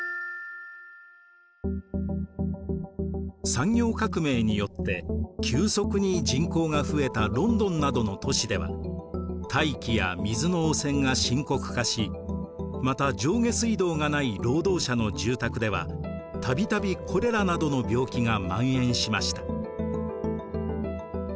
産業革命によって急速に人口が増えたロンドンなどの都市では大気や水の汚染が深刻化しまた上下水道がない労働者の住宅ではたびたびコレラなどの病気がまん延しました。